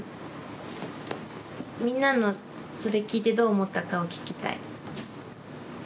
みんなのそれ聞いてどう思ったかを聞きたい。